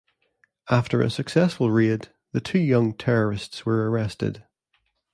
After a successful raid, the two young terrorists were arrested.